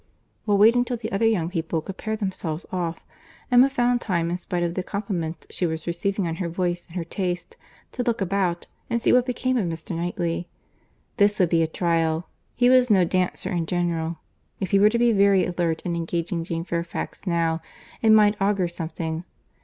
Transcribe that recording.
While waiting till the other young people could pair themselves off, Emma found time, in spite of the compliments she was receiving on her voice and her taste, to look about, and see what became of Mr. Knightley. This would be a trial. He was no dancer in general. If he were to be very alert in engaging Jane Fairfax now, it might augur something.